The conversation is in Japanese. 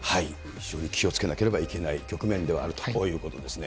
非常に気をつけなければいけない局面ではあるということですね。